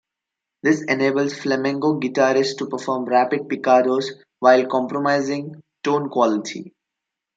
This enables flamenco guitarists to perform rapid picados while compromising tone quality.